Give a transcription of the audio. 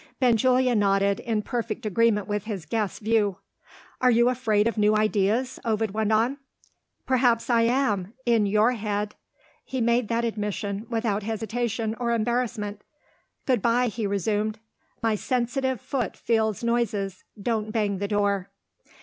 Benjulia nodded, in perfect agreement with his guest's view. "Are you afraid of new ideas?" Ovid went on. "Perhaps I am in your head." He made that admission, without hesitation or embarrassment. "Good bye!" he resumed. "My sensitive foot feels noises: don't bang the door."